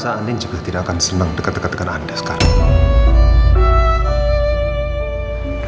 saya anin juga tidak akan senang dekat dekat dengan anda sekarang